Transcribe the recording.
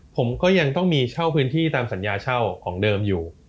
ผมก็ยังต้องมีเช่าพื้นที่ตามสัญญาเช่าของเดิมอยู่